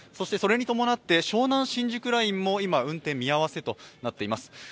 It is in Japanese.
それに伴って湘南新宿ラインも運転見合わせとなっております。